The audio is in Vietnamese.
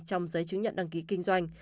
trong giấy chứng nhận đăng ký kinh doanh